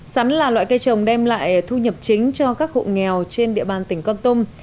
sắn là loại cây trồng đem lại thu nhập chính cho các hộ nghèo trên địa bàn tỉnh con tum